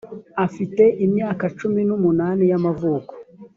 afite imyaka cumi n’umunani y ‘amavuko